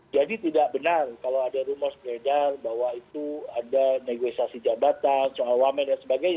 jadi tidak benar kalau ada rumor sepeda bahwa itu ada negosiasi jabatan soal wamen dan sebagainya